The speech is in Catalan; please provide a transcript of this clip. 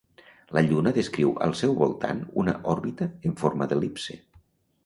La Lluna descriu al seu voltant una òrbita en forma d'el·lipse.